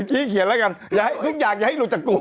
กี้เขียนแล้วกันทุกอย่างอย่าให้หลุดจากตัว